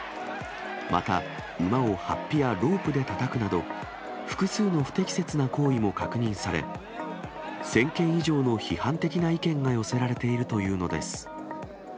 また、馬をはっぴやロープでたたくなど、複数の不適切な行為も確認され、１０００件以上の批判的な意見が寄せられているというのです。